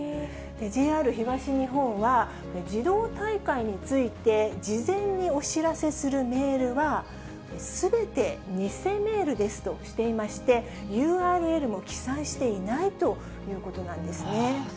ＪＲ東日本は、自動退会について事前にお知らせするメールはすべて偽メールですとしていまして、ＵＲＬも記載していないということなんですね。